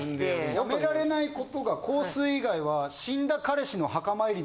やめられない事が香水以外は。